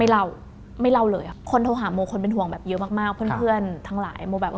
เล่าไม่เล่าเลยอ่ะคนโทรหาโมคนเป็นห่วงแบบเยอะมากมากเพื่อนเพื่อนทั้งหลายโมแบบ